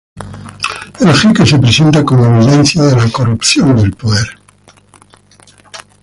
El jeque se presenta como evidencia de la corrupción del poder.